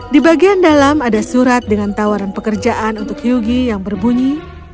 di bagian dalam ada surat dengan tawaran pekerjaan untuk yogi yang berbunyi